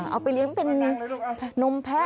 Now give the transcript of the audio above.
เอาไปเลี้ยงเป็นนมแพะ